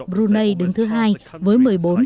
brunei đứng thứ hai với một mươi bốn một